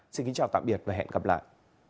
xin kính chào và hẹn gặp lại